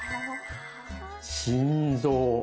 心臓。